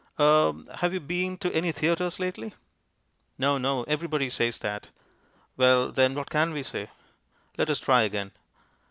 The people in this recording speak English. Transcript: "Er have you been to any theatres lately?" No, no, everybody says that. Well, then, what can we say? Let us try again.